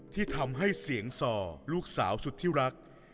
ที่ทำให้เสียงส่อลูกสาวสุดที่รัก